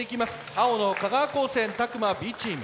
青の香川高専詫間Ｂチーム。